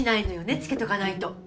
漬けとかないと。